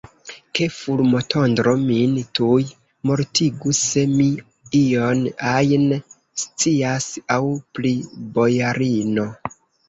Ke fulmotondro min tuj mortigu, se mi ion ajn scias aŭ pri bojarino!